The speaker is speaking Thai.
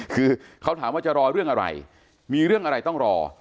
คือเขาถามว่าจะรอเรื่องอะไรมีเรื่องอะไรต้องรอ